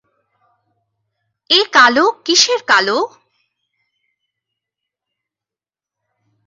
এ কালো কিসের কালো?